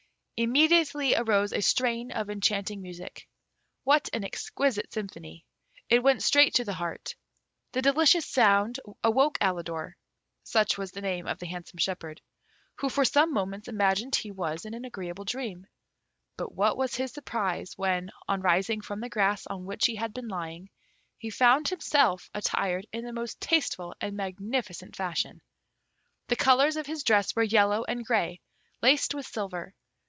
Immediately arose a strain of enchanting music. What an exquisite symphony! It went straight to the heart. The delicious sound awoke Alidor (such was the name of the handsome shepherd), who for some moments imagined he was in an agreeable dream; but what was his surprise when, on rising from the grass on which he had been lying, he found himself attired in the most tasteful and magnificent fashion. The colours of his dress were yellow and grey, laced with silver.